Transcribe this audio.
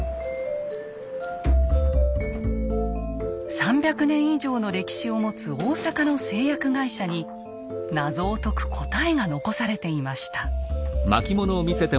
３００年以上の歴史を持つ大阪の製薬会社に謎を解く答えが残されていました。